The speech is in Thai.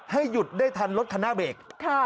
หยุดได้ทันรถคันหน้าเบรก